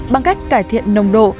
bằng cách cải thiện nồng độ